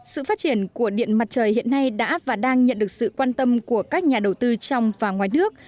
sự phát triển của điện mặt trời hiện nay đã và đang nhận được sự quan tâm của các nhà đầu tư trong và ngoài nước